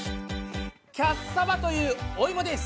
「キャッサバ」というお芋です。